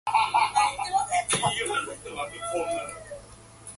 Her hair was touched with grey, her dark eyes looked wild.